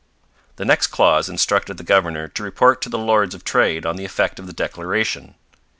The next clause instructed the governor to report to the Lords of Trade on the effect of the declaration.